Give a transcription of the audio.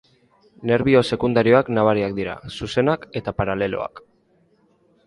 Nerbio sekundarioak nabariak dira, zuzenak eta paraleloak.